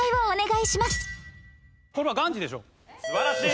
素晴らしい！